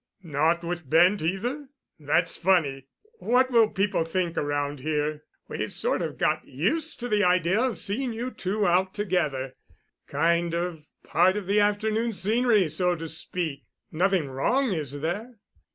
"Not with Bent, either? That's funny. What will people think around here? We've sort of got used to the idea of seeing you two out together—kind of part of the afternoon scenery, so to speak. Nothing wrong, is there?"